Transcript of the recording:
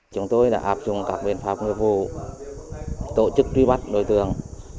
chúng tôi đã áp dụng các biện pháp nghiệp vụ tổ chức truy bắt đối tượng